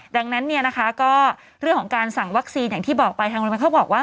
ดังนั้นเนี่ยนะคะก็เรื่องของการสั่งวัคซีนอย่างที่บอกไปทางโรงพยาบาลเขาบอกว่า